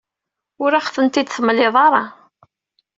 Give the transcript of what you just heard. Ur aɣ-tent-id-temliḍ ara.